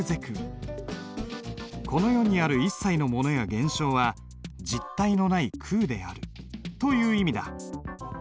この世にある一切のものや現象は実体のない空であるという意味だ。